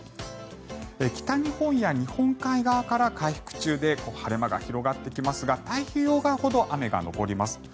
北日本や日本海側から回復中で晴れ間が広がってきますが太平洋側ほど雨が残ります。